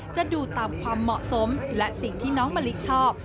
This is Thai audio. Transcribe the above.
จะดูตามความเหมาะสมและสิ่งที่น้องมะลิชอบ